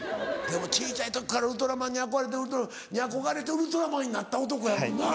でも小ちゃい時からウルトラマンに憧れてウルトラマンに憧れてウルトラマンになった男やもんな。